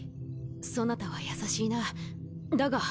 そなたは優しいなだが。